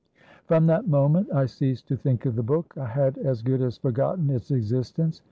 "From that moment, I ceased to think of the book. I had as good as forgotten its existence.